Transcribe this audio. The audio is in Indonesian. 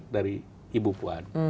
dari ibu puan